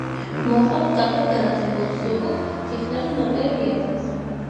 მოჰყავთ კარგად განათებულ, მსუბუქ თიხნარ და ნოყიერ ნიადაგზე.